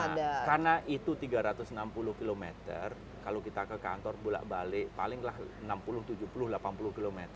karena itu tiga ratus enam puluh km kalau kita ke kantor bulak balik palinglah enam puluh tujuh puluh delapan puluh km